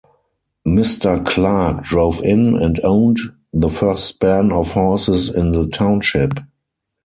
Mr. Clark drove in, and owned, the first span of horses in the township.